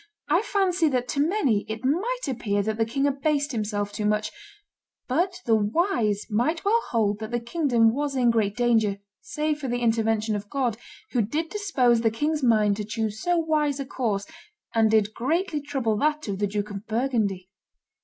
... I fancy that to many it might appear that the king abased himself too much; but the wise might well hold that the kingdom was in great danger, save for the intervention of God, who did dispose the king's mind to choose so wise a course, and did greatly trouble that of the Duke of Burgundy.